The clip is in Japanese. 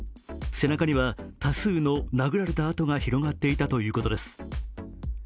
背中には多数の殴られた痕が広がっていたということです。